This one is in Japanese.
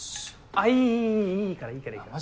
あっいいいいいいからいいからいいから。